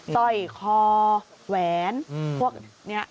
สร้อยคอแหวนพวกนี้